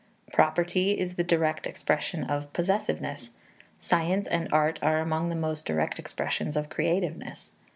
Property is the direct expression of possessiveness; science and art are among the most direct expressions of creativeness.